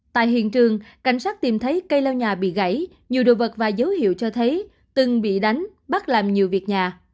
tại hiện trường cảnh sát tìm thấy cây leo nhà bị gãy nhiều đồ vật và dấu hiệu cho thấy từng bị đánh bắt làm nhiều việc nhà